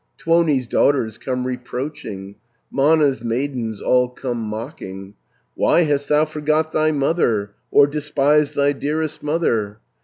Tuoni's daughters come reproaching, Mana's maidens all come mocking: 470 'Why hast thou forgot thy mother, Or despised thy dearest mother?